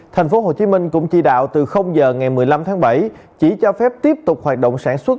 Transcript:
tp hcm cũng chỉ đạo từ giờ ngày một mươi năm tháng bảy chỉ cho phép tiếp tục hoạt động sản xuất